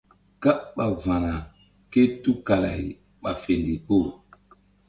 Káɓ ɓa va̧na ké tukala-ay ɓa fe ndikpo.